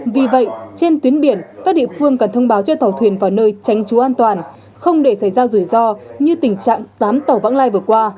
vì vậy trên tuyến biển các địa phương cần thông báo cho tàu thuyền vào nơi tránh trú an toàn không để xảy ra rủi ro như tình trạng tám tàu vãng lai vừa qua